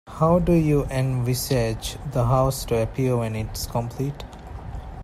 How do you envisage the house to appear when it's complete?